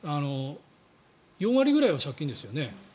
４割ぐらいは借金ですよね。